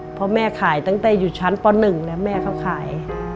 เพราะแม่ขายตั้งแต่อยู่ชั้นป๑นะแม่เขาขาย